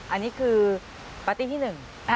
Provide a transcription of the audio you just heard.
อันนี้คือปฏิที่หนึ่ง